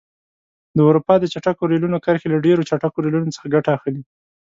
د اروپا د چټکو ریلونو کرښې له ډېرو چټکو ریلونو څخه ګټه اخلي.